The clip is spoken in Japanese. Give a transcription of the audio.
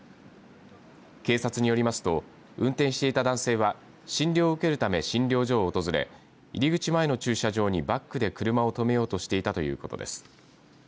警察によりますと運転していた男性は診療を受けるため診療所を訪れ入り口前の駐車場にバックで車を止めようとしていたということです。